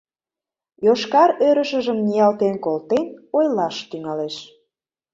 Йошкар ӧрышыжым ниялтен колтен, ойлаш тӱҥалеш.